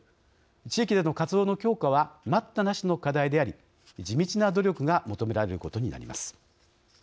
地域での活動の強化は待ったなしの課題であり地道な努力が求められることになります。